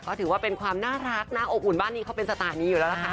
ก็ถือว่าเป็นความน่ารักน่าอบอุ่นบ้านนี้เขาเป็นสถานีอยู่แล้วล่ะค่ะ